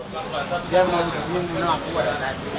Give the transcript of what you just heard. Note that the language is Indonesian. berlaku laku dia mau berhenti menangku pada nanti